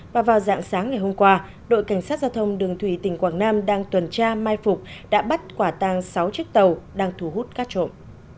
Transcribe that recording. và vào dạng sáng ngày hôm qua đội cảnh sát giao thông đường thủy tỉnh quảng nam đang tuần tra mai phục đã bắt quả tang sáu chiếc tàu đang thu hút cát trộm